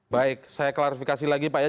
baik saya klarifikasi lagi pak ya